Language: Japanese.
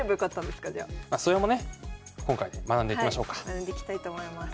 学んでいきたいと思います。